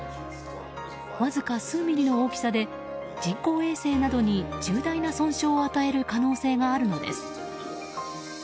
わずか数ミリの大きさで人工衛星などに重大な損傷を与える可能性があるのです。